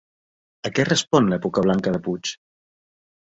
A què respon l'època blanca de Puig?